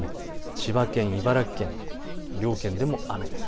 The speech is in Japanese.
千葉県、茨城県、両県でも雨です。